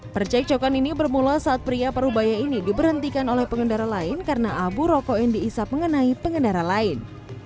percek cokan ini bermula saat pria paruh bahaya ini diberhentikan oleh pengendara lain karena abu rokoin diisap mengenai pengendara lain